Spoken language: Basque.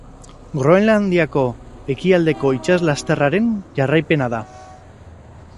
Groenlandiako ekialdeko itsaslasterraren jarraipena da.